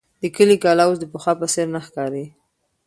د کلي کلا اوس د پخوا په څېر نه ښکاري.